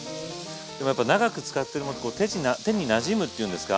でもやっぱ長く使ってるものって手になじむっていうんですか。